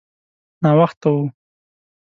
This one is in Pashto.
ناوخته و.